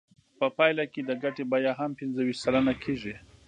په پایله کې د ګټې بیه هم پنځه ویشت سلنه کېږي